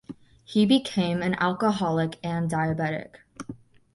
He became an alcoholic and diabetic.